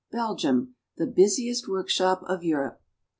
BELGIUM — THE BUSIEST WORKSHOP OF EUROPE.